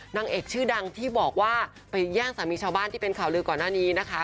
นางเอกชื่อดังที่บอกว่าไปแย่งสามีชาวบ้านที่เป็นข่าวลือก่อนหน้านี้นะคะ